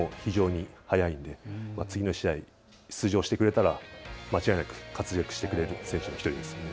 ２メートルあるんですけど、足も非常に速いので次の試合、出場してくれたら間違いなく活躍してくれる選手の１人です。